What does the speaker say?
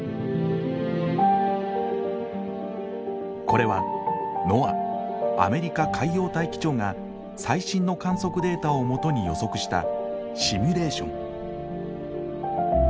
これはＮＯＡＡアメリカ海洋大気庁が最新の観測データを基に予測したシミュレーション。